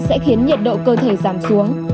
sẽ khiến nhiệt độ cơ thể giảm xuống